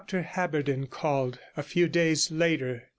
Dr Haberden called a few days later.